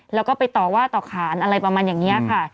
แล้วก็ไปต่อว่าต่อขานอะไรประมาณอย่างนี้ค่ะ